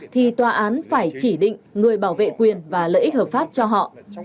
thì tòa án phải chỉ định người bảo vệ quyền và lợi ích hợp pháp cho họ